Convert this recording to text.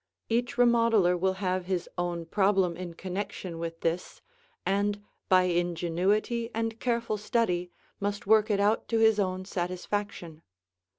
Each remodeler will have his own problem in connection with this, and by ingenuity and careful study must work it out to his own satisfaction.